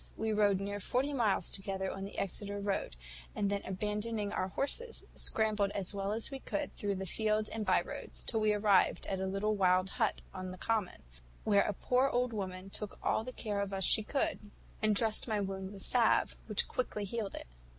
We rode near forty miles together on the Exeter road, and then abandoning our horses, scrambled as well as we could through the fields and bye roads, till we arrived at a little wild hut on a common, where a poor old woman took all the care of us she could, and dressed my wound with salve, which quickly healed it."